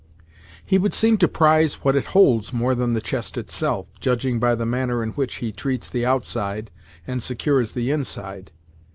"He would seem to prize what it holds more than the chest, itself, judging by the manner in which he treats the outside, and secures the inside.